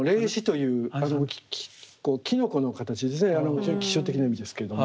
非常に吉祥的な意味ですけれども。